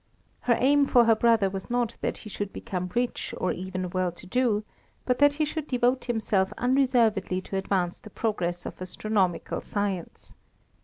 Her aim for her brother was not that he should become rich or even well to do, but that he should devote himself unreservedly to advance the progress of astronomical science.